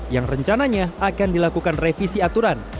yang rencananya akan dilakukan revisi aturan